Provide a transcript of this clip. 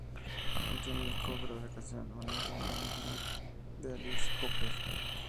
Contiene el cover de la canción "Only Women Bleed", de Alice Cooper.